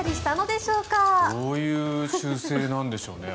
どういう習性なんでしょうね。